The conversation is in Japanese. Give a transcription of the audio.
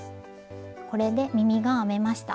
これで耳が編めました。